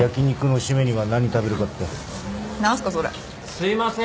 すいません。